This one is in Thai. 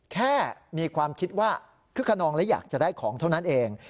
แค่มีความคิดว่าคึกขนองและอยากจะได้ของเท่านั้นเอง